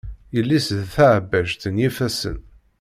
Yelli-s d taɛebbajt n yifassen.